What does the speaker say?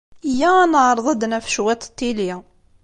Iyya ad neɛreḍ ad d-naf cwiṭ n tili.